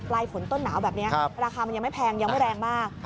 ฝนต้นหนาวแบบนี้ราคามันยังไม่แพงยังไม่แรงมาก